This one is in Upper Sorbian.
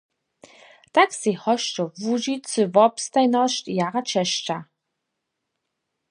Tak sej hosćo Łužicy wobstajnosć jara česća.